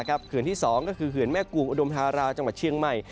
เขื่อนที่๒ก็คือเขื่อนแม่กุงอุดมธาราจังหวัดเชียงใหม่